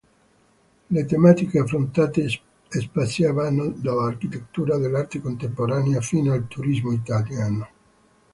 Le tematiche affrontate spaziavano dall’architettura all'arte contemporanea, fino al turismo italiano.